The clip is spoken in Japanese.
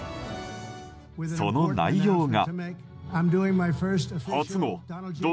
その内容が。